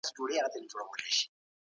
باید دا ټولي ستونزي په جدي ډول حل سي.